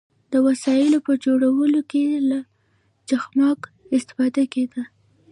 د وسایلو په جوړولو کې له چخماق استفاده کیده.